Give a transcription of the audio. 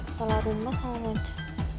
salah rumba salah rumba